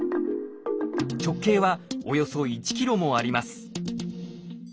直径はおよそ１ｋｍもあります。